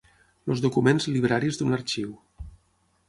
Els documents libraris d'un arxiu.